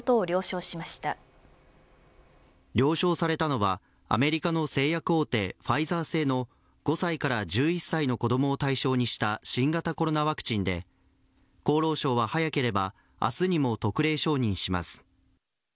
了承されたのはアメリカの製薬大手ファイザー製の５歳から１１歳の子どもを対象にした新型コロナワクチンで厚労省は、早ければ明日にも特例承認します。